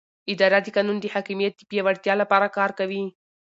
اداره د قانون د حاکمیت د پیاوړتیا لپاره کار کوي.